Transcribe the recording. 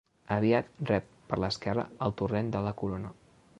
Aviat rep per l'esquerra el torrent de la Corona.